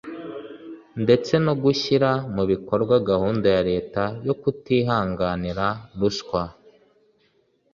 ndetse no gushyira mu bikorwa gahunda ya Leta yo kutihanganira ruswa